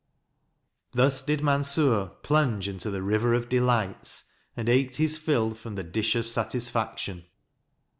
Thus did Mansur plunge into the river of delights, and ate his fill from the dish of satisfaction.